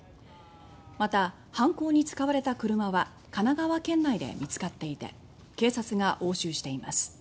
また犯行に使われた車は神奈川県内で見つかっていて警察が押収しています。